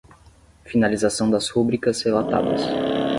Finalização das rubricas relatadas